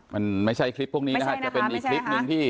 มันไม่ใช่คลิปพวกนี้นะฮะไม่ใช่นะคะจะเป็นอีกคลิปหนึ่งพี่